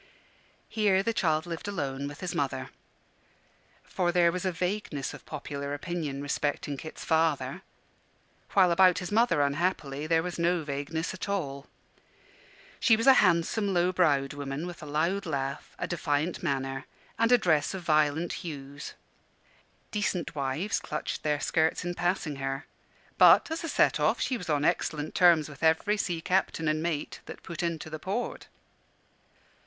Here the child lived alone with his mother. For there was a vagueness of popular opinion respecting Kit's father; while about his mother, unhappily, there was no vagueness at all. She was a handsome, low browed woman, with a loud laugh, a defiant manner, and a dress of violent hues. Decent wives clutched their skirts in passing her: but, as a set off, she was on excellent terms with every sea captain and mate that put into the port.